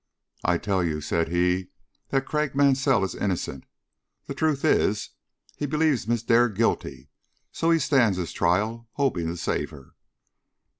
"I tell you," said he, "that Craik Mansell is innocent. The truth is, he believes Miss Dare guilty, and so stands his trial, hoping to save her."